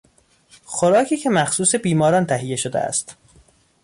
خوراکی که مخصوص بیماران تهیه شده است